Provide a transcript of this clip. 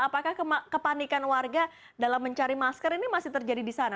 apakah kepanikan warga dalam mencari masker ini masih terjadi di sana